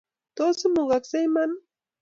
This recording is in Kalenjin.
Tos imugakse iman ii?